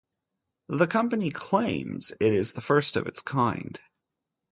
The company claims it is the first of its kind.